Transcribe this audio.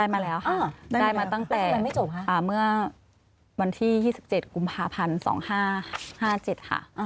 มาแล้วค่ะได้มาตั้งแต่เมื่อวันที่๒๗กุมภาพันธ์๒๕๕๗ค่ะ